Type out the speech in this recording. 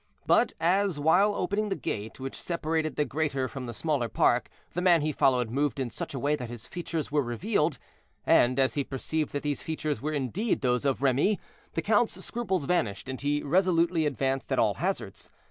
But as, while opening the gate, which separated the greater from the smaller park, the man he followed moved in such a way that his features were revealed, and as he perceived that these features were indeed those of Remy, the count's scruples vanished, and he resolutely advanced at all hazards.